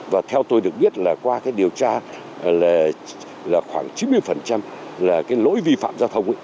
và theo tôi được biết là qua cái điều tra là khoảng chín mươi là cái lỗi vi phạm giao thông